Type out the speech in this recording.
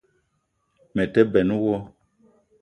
Me te benn wo